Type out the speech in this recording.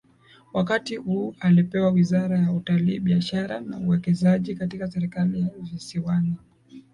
Wakati huu alipewa wizara ya Utalii Biashara na Uwekezaji katika serikali ya visiwani